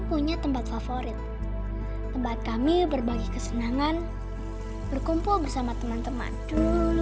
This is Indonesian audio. punya tempat favorit tempat kami berbagi kesenangan berkumpul bersama teman teman dulu